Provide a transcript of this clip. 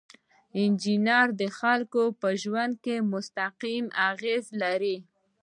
انجینر د خلکو په ژوند مستقیمه اغیزه لري.